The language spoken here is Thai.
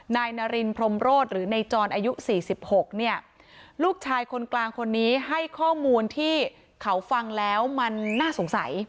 นายนารินพรมโรศหรือนายจรอายุ๔๖เนี่ยลูกชายคนกลางคนนี้ให้ข้อมูลที่เขาฟังแล้วมันน่าสงสัย